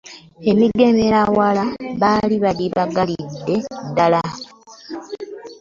Emigemerawala baali bagibagalidde dda.